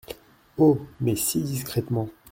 Oh ! mais si discrètement !